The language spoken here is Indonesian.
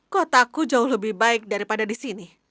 kotaku jauh lebih baik daripada di sini